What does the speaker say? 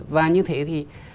và như thế thì